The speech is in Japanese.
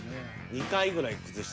２回ぐらい崩した。